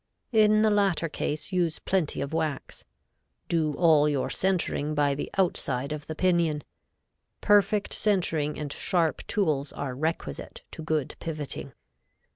In the latter case use plenty of wax. Do all your centering by the outside of the pinion. Perfect centering and sharp tools are requisite to good pivoting.